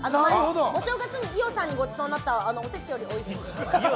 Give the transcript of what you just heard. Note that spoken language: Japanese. お正月に伊代さんにごちそうになったものよりおいしい。